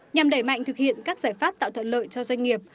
nhằm đẩy mạnh thực hiện các giải pháp tạo thuận lợi cho doanh nghiệp